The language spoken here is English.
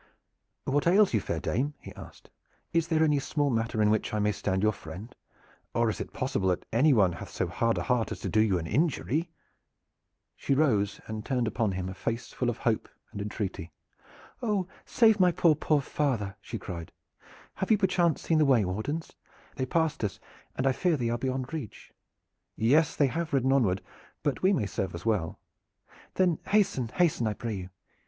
"What ails you, fair dame?" he asked. "Is there any small matter in which I may stand your friend, or is it possible that anyone hath so hard a heart as to do you an injury." She rose and turned upon him a face full of hope and entreaty. "Oh, save my poor, poor father!" she cried. "Have you perchance seen the way wardens? They passed us, and I fear they are beyond reach." "Yes, they have ridden onward, but we may serve as well." "Then hasten, hasten, I pray you!